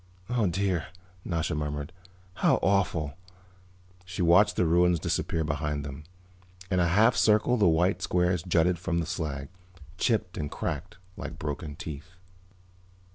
"Oh, dear," Nasha murmured. "How awful." She watched the ruins disappear behind them. In a half circle the white squares jutted from the slag, chipped and cracked, like broken teeth.